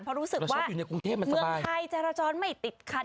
เพราะรู้สึกว่าเมืองไทยจราจรไม่ติดขัด